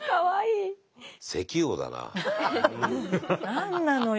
何なのよ